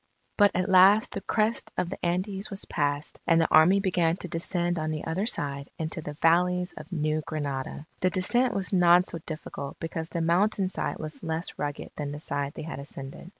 But at last the crest of the Andes was passed, and the Army began to descend on the other side into the valleys of New Granada. The descent was not so difficult because the mountain side was less rugged than the side they had ascended.